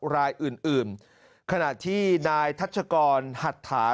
รายอื่นอื่นขณะที่นายทัชกรหัตถา